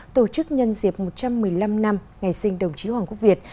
tổ chức nhân diệp một trăm một mươi năm năm ngày sinh đồng chí hoàng quốc việt